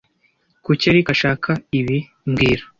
Kuki Eric ashaka ibi mbwira